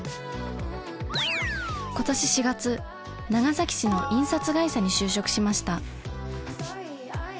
今年４月長崎市の印刷会社に就職しました。